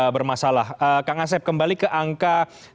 bermasalah kak ngasep kembali ke angka